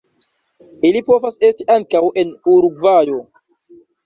Ili povas esti ankaŭ en Urugvajo.